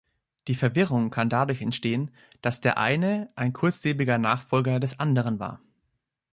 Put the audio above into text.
Die Verwirrung kann dadurch entstehen, dass der eine ein kurzlebiger Nachfolger des anderen war.